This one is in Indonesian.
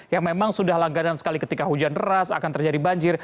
yang memang sudah langganan sekali ketika hujan deras akan terjadi banjir